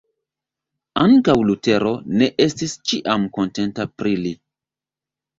Ankaŭ Lutero ne estis ĉiam kontenta pri li.